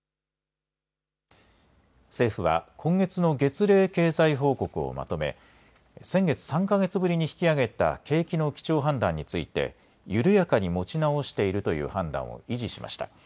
政府は今月の月例経済報告をまとめ先月３か月ぶりに引き上げた景気の基調判断について緩やかに持ち直しているという判断を維持しました。